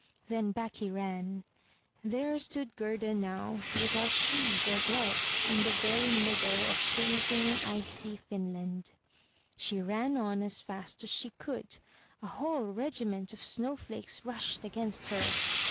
Then back he ran. There stood Gerda now, without shoes or gloves, in the very middle of freezing, icy Finland. She ran on as fast as she could. A whole regiment of snow flakes rushed against her.